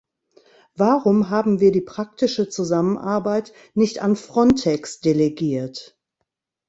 Warum haben wir die praktische Zusammenarbeit nicht an Frontex delegiert?